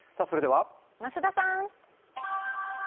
増田さーん。